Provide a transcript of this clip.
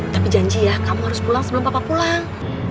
tapi janji ya kamu harus pulang sebelum bapak pulang